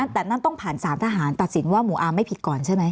แต่นั่นต้องผ่านสารทหารตัดสินว่าหมู่อาร์ไม่ผิดก่อนใช่ไหม